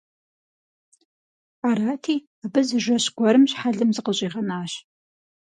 Арати, абы зы жэщ гуэрым щхьэлым зыкъыщӀигъэнащ.